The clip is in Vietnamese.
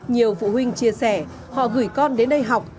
nhiều phụ huynh chia sẻ họ gửi con đến đây học